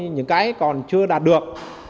những cái còn chưa đạt được